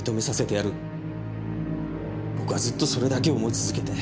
僕はずっとそれだけを思い続けて。